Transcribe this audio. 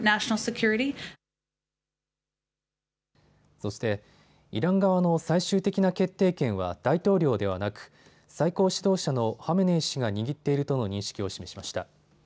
そしてイラン側の最終的な決定権は大統領ではなく、最高指導者のハメネイ師が握っているとの認識を示しました。